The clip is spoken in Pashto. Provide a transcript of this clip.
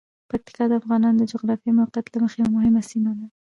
پکتیکا د افغانانو د جغرافیايی موقعیت له مخې یوه مهمه سیمه ده.